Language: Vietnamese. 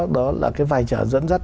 đó là cái vai trò dẫn dắt